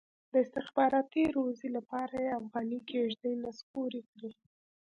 د استخباراتي روزۍ لپاره یې افغاني کېږدۍ نسکورې کړي.